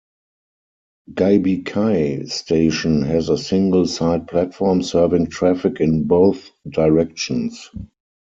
Geibikei Station has a single side platform serving traffic in both directions.